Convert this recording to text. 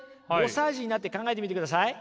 ５歳児になって考えてみてください。